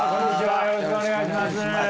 よろしくお願いします。